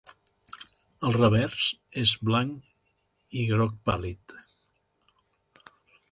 El revers és blanc i groc pàl·lid.